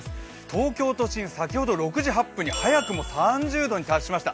東京都心、先ほど６時８分に早くも３０度に達しました。